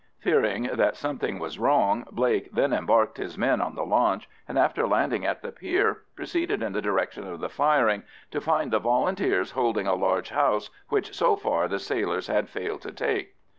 Fearing that something was wrong, Blake then embarked his men on the launch, and after landing at the pier, proceeded in the direction of the firing, to find the Volunteers holding a large house which so far the sailors had failed to take.